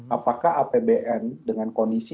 apakah apbn dengan kondisi